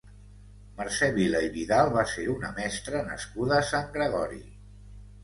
Mercè Vila i Vidal va ser una mestra nascuda a Sant Gregori.